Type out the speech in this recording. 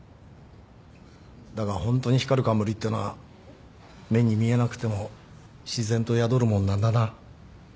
だがホントに光る冠ってのは目に見えなくても自然と宿るもんなんだな。